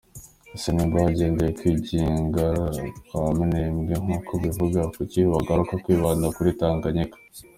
Ese nimba hagenderewe kwigenga kwa Minembwe nk’uko ubivuga, kuki bagaruka kwibanda kuri Tanganyika?